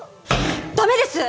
ダメです！